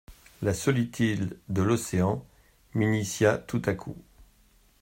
La solitude de l'Océan m'initia tout à coup.